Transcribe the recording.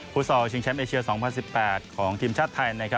ซอลชิงแชมป์เอเชีย๒๐๑๘ของทีมชาติไทย